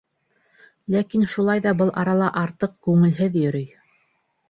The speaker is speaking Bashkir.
Ләкин шулай ҙа был арала артыҡ күңелһеҙ йөрөй.